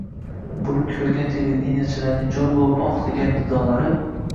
buni ko‘rgan televideniyechilarning jo‘r bo‘lib “oh!” degan nidolari